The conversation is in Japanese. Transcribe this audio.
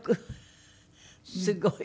すごい。